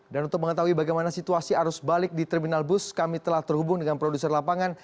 dan untuk mengetahui bagaimana situasi arus balik di terminal bus kami telah terhubung dengan produser lapangan